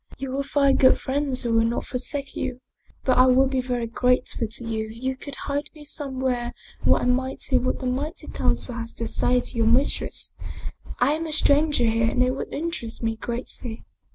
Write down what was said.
" You will find good friends who will not forsake you. But I will be very grateful to you if you could hide me somewhere where I might hear what the Mighty Council has to say to your mistress. I am a stranger here and it would interest me greatly."